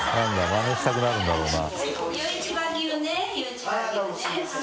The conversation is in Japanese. マネしたくなるんだろうな。